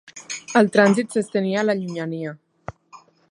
El trànsit s'estenia a la llunyania.